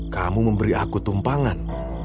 kamu memberi aku tumpangan